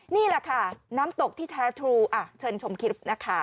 นี่แหละค่ะน้ำตกที่แทฟตุอีไรอะเชิญชมคลิป